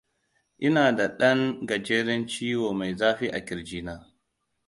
Ina da ɗan gajeren ciwo mai zafi a kirji na